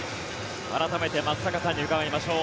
改めて松坂さんに伺いましょう。